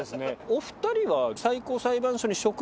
お２人は。